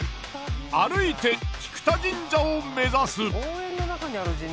歩いて菊田神社を目指す。